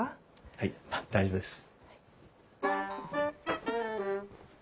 はい大丈夫です。